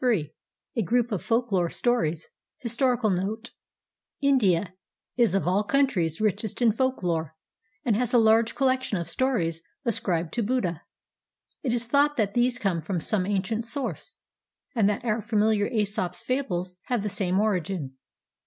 Ill A GROUP OF FOLKLORE STORIES HISTORICAL NOTE Indl\ is of aU countries richest in folklore, and has a large collection of stories ascribed to Buddha. It is thought that these come from some ancient source, and that our familiar ".Esop's Fables" have the same origin.